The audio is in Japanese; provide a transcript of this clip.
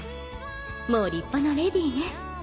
もう立派なレディーね。